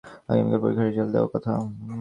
আগামীকাল পরীক্ষার রেজাল্ট দেওয়ার কথা।